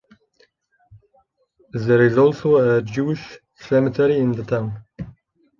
There is also a Jewish cemetery in the town.